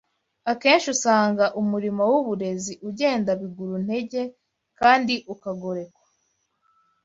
akenshi usanga umurimo w’uburezi ugenda biguru ntege kandi ukagorekwa